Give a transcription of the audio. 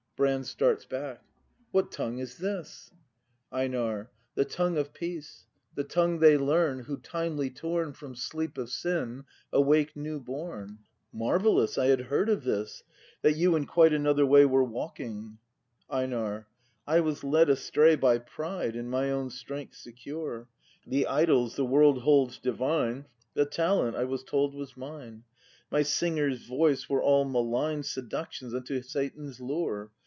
Brand. [Starts back.] What tongue is this ? EiNAR. The tongue of peace — The tongue they learn, who, timely torn From Sleep of Sin, awake new born. Brand. Marvellous! I had heard of this, — That you in quite another way Were walking EiNAR. I was led astray By pride, in my own strength secure. The idols the world holds divine. The talent I was told was mine, My singer's voice, were all malign Seductions unto Satan's lure.